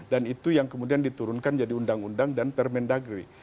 dan itu yang kemudian diturunkan jadi undang undang dan permendagri